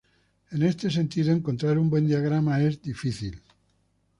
En este sentido, encontrar un buen diagrama es difícil.